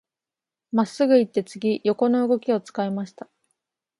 真っすぐ行って、次、横の動きを使いました。